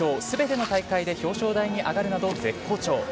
全ての大会で表彰台に上がるなど絶好調。